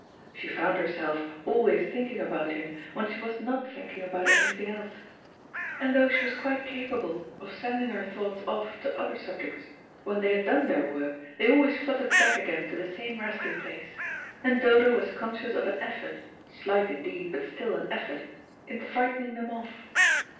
She found herself always thinking about him when she was not thinking about anything else; and though she was quite capable of sending her thoughts off to other subjects, when they had done their work they always fluttered back again to the same resting place, and Dodo was conscious of an effort, slight indeed, but still an effort, in frightening them off.